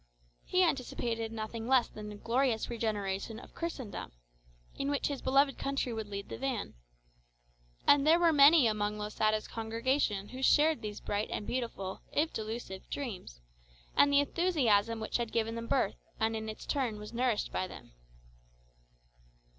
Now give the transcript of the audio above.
He anticipated nothing less than a glorious regeneration of Christendom, in which his beloved country would lead the van. And there were many amongst Losada's congregation who shared these bright and beautiful, if delusive dreams, and the enthusiasm which had given them birth, and in its turn was nourished by them.